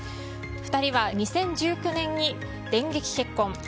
２人は２０１９年に電撃結婚。